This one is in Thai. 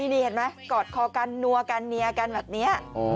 นี่เห็นไหมกอดคอกันนัวกันเนียกันแบบนี้